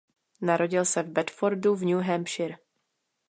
Narodil se v Bedfordu v New Hampshire.